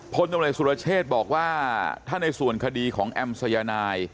พลตำรวจสุรเชษบอกว่าถ้าในส่วนคดีของแอมสัยนาย